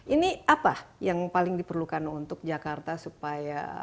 ini apa yang paling diperlukan untuk jakarta supaya